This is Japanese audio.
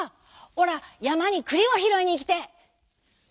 おらやまにくりをひろいにいきてえ」。